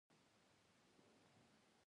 دا پنځه اصول په عامې قاعدې بدلېدلی شي.